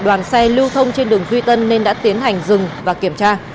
đoàn xe lưu thông trên đường duy tân nên đã tiến hành dừng và kiểm tra